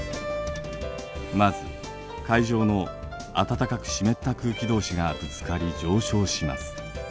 まず海上の暖かく湿った空気同士がぶつかり上昇します。